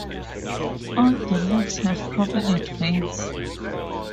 All the leaves have prominent veins.